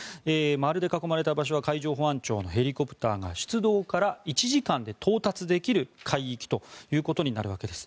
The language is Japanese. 丸で囲まれた場所が海上保安庁のヘリコプターが出動から１時間で到達できる海域ということになるわけです。